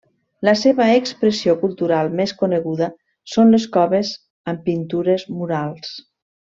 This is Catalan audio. La seva expressió cultural més coneguda són les coves amb pintures murals.